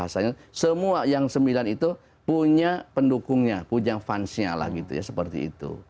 semua yang sembilan itu punya pendukungnya punya fansnya lah gitu ya seperti itu